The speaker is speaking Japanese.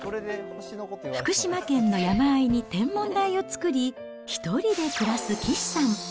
福島県の山あいに天文台を作り、１人で暮らす岸さん。